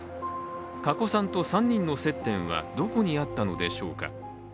加古さんと３人の接点はどこにあったのでしょうか。